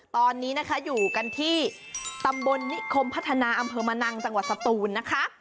ตอนนี้นะคะอยู่กันที่ตำบลนิคมพัฒนาอำเภอมะนังจังหวัดสตูนนะคะ